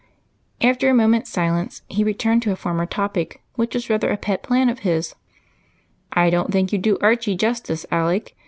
After a moment's silence he returned to a former topic, which was rather a pet plan of his. "I don't think you do Archie justice, Alec.